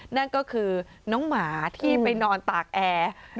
นั่นก็คือน้องหมาที่ไปนอนตากแอร์